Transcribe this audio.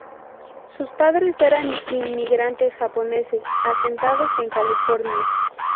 Sus padres eran inmigrantes japoneses asentados en California.